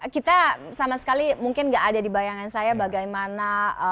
kita sama sekali mungkin nggak ada di bayangan saya bagaimana